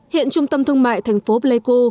hiện trung tâm thương mại tp hcm